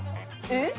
えっ？